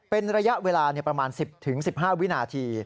เป็นระยะเวลาประมาณ๑๐๑๕วินาที